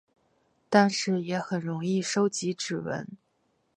但是也很容易收集指纹。